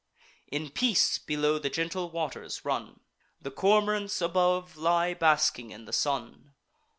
In peace below the gentle waters run; The cormorants above lie basking in the sun.